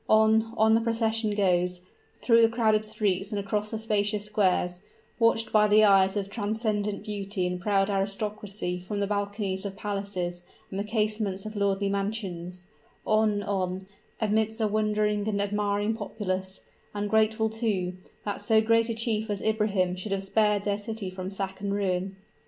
On, on the procession goes, through the crowded streets and across the spacious squares, watched by the eyes of transcendent beauty and proud aristocracy from the balconies of palaces and the casements of lordly mansions; on, on, amidst a wondering and admiring populace, and grateful, too, that so great a chief as Ibrahim should have spared their city from sack and ruin.